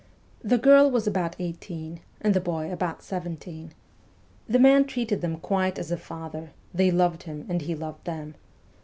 The girl 218 MEMOIRS OF A REVOLUTIONIST was about eighteen and the boy about seventeen. The man treated them quite as a father, they loved him, and he loved them.